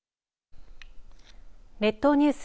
列島ニュース